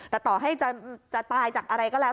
แต่ต่อให้จะตายจากอะไรก็แล้ว